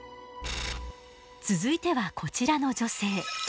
続いてはこちらの女性。